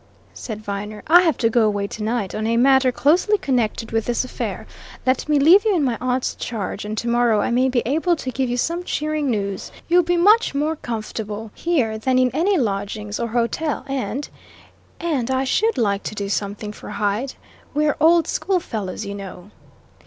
said Viner. "I have to go away tonight, on a matter closely connected with this affair. Let me leave you in my aunt's charge, and tomorrow I may be able to give you some cheering news. You'll be much more comfortable here than in any lodgings or hotel and and I should like to do something for Hyde; we're old schoolfellows, you know."